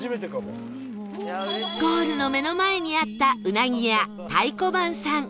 ゴールの目の前にあったうなぎ屋太鼓判さん